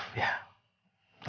lepas kelakuan nino